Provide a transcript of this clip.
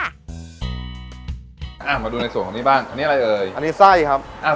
มาดูในส่วนของนี้บ้างอันนี้อะไรเอ่ยอันนี้ไส้ครับอ่า